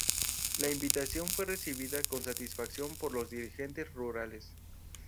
La invitación fue recibida con satisfacción por los dirigentes rurales.